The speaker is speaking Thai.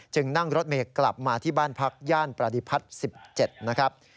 นั่งรถเมย์กลับมาที่บ้านพักย่านประดิพัฒน์๑๗นะครับ